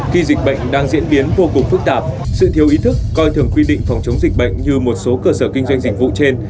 khi dịch bệnh đang diễn biến vô cùng phức tạp sự thiếu ý thức coi thường quy định phòng chống dịch bệnh như một số cơ sở kinh doanh dịch vụ trên